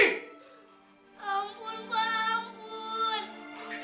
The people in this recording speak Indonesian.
ampun pak ampun